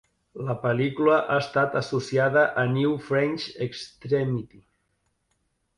La pel·lícula ha estat associada amb New French Extremity.